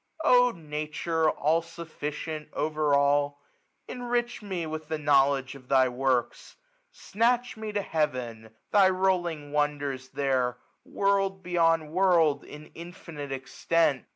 Oh Nature ! all sufficient ! over all ! 1350 Enrich me with the knowledge of thy works ! Snatch me to heaven ; thy rolling wonders ttiercji World beyond world, in infinite extent.